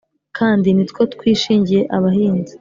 kandi nitwo twishingiye abahinzi